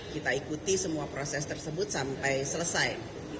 kita ikuti semua proses tersebut sampai selesai